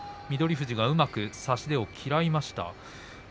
富士がうまく差し手を嫌いました。